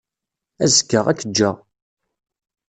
Azekka, ad k-jjeɣ.